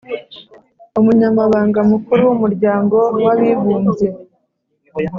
umunyamabanga mukuru w'umuryango w'abibumbye